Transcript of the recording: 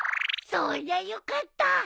そりゃよかった。